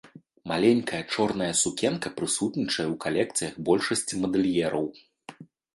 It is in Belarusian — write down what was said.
Маленькая чорная сукенка прысутнічае ў калекцыях большасці мадэльераў.